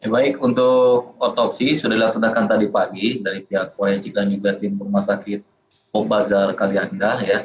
baik untuk otopsi sudah dilaksanakan tadi pagi dari pihak polres jika nyugatin bumah sakit pobazar kaliangga